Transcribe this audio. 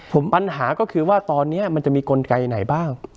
ผมปัญหาก็คือว่าตอนนี้มันจะมีกลไกไหนบ้าง